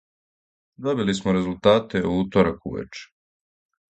Добили смо резултате у уторак увече.